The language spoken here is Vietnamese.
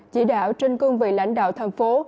chỉ đảo trên cương vị lãnh đạo thành phố